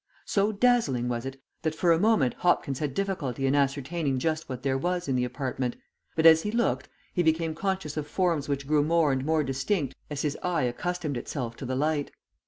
So dazzling was it, that for a moment Hopkins had difficulty in ascertaining just what there was in the apartment, but as he looked he became conscious of forms which grew more and more distinct as his eye accustomed itself to the light.